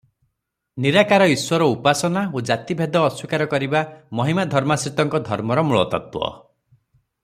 ନିରାକାର ଈଶ୍ୱର ଉପାସନା ଓ ଜାତିଭେଦ ଅସ୍ୱୀକାର କରିବା ମହିମାଧର୍ମାଶ୍ରିତଙ୍କ ଧର୍ମର ମୂଳତତ୍ତ୍ୱ ।